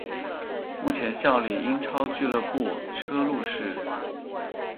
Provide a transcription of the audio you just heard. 目前效力英超俱乐部车路士。